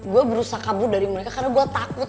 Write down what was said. saya berusaha kabur dari mereka karena saya takut